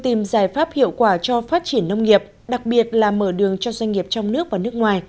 tìm giải pháp hiệu quả cho phát triển nông nghiệp đặc biệt là mở đường cho doanh nghiệp trong nước và nước ngoài